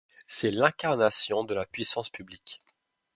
C’est l’incarnation de la puissance publique.